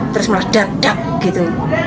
terus meledak dak gitu